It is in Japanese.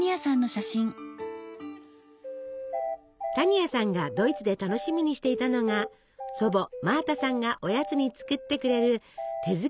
多仁亜さんがドイツで楽しみにしていたのが祖母マータさんがおやつに作ってくれる手作りのケーキでした。